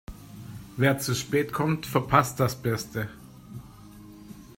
Wer zu spät kommt, verpasst das Beste.